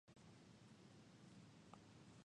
南アフリカの行政首都はプレトリアである